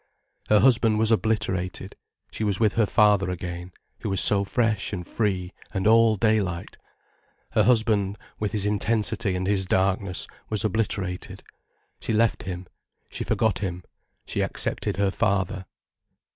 Her husband was obliterated, she was with her father again, who was so fresh and free and all daylight. Her husband, with his intensity and his darkness, was obliterated. She left him, she forgot him, she accepted her father.